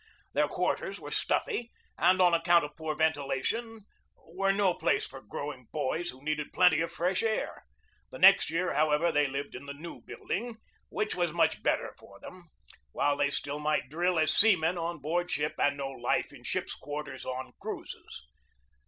Their quarters were stuffy, and, on account of poor ven tilation, were no place for growing boys who needed plenty of fresh air. The next year, however, they lived in the new building, which was much better for them, while they still might drill as seamen on board ship and know life in ship's quarters on cruises.